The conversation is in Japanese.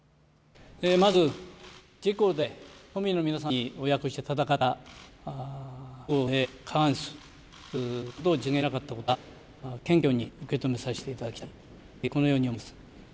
まず自公で都民の皆さんにお約束して戦った自公で過半数、このことを実現できなかったことは謙虚に受け止めさせていただきたい、このように思います。